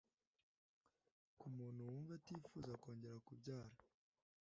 ku muntu wumva atifuza kongera kubyara